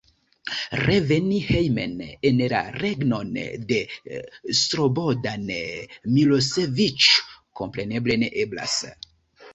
Reveni hejmen en la regnon de Slobodan Miloseviĉ, kompreneble, ne eblas.